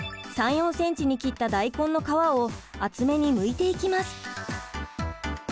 ３４センチに切った大根の皮を厚めにむいていきます。